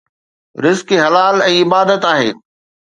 رزق حلال ۽ عبادت آهي